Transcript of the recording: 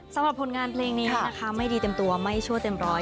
สำหรับผลงานเพลงนี้นะคะไม่ดีเต็มตัวไม่ชั่วเต็มร้อย